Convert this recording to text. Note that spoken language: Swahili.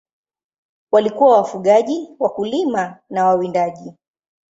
Walikuwa wafugaji, wakulima na wawindaji.